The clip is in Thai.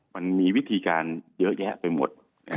มันมีวิธีการเยอะแยะไปหมด